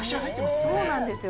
そうなんですよ。